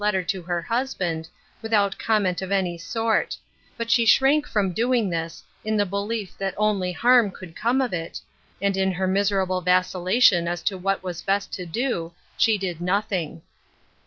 letter to her husband, without comment of any sort ; but she shrank from doing this, in the belief that only harm could come of it, and in her miser able vacillation as to what was best to do, she did nothing.